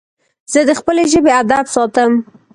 زه د خپلي ژبي ادب ساتم.